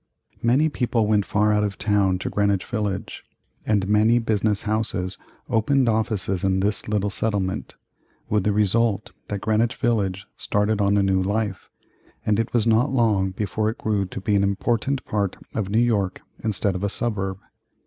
Many people went far out of town to Greenwich Village, and many business houses opened offices in this little settlement; with the result that Greenwich Village started on a new life, and it was not long before it grew to be an important part of New York instead of a suburb.